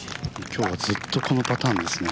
今日はずっとこのパターンですね。